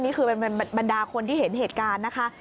นี่คือเป็นบรรดาคนที่เห็นเหตุการณ์นะคะ